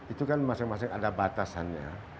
itu kan masing masing ada batasannya